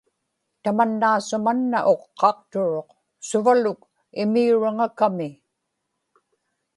tamannaasu-manna uqqaqturuq, suvaluk imiuraŋakami